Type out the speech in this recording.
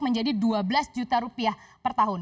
menjadi dua belas juta rupiah per tahun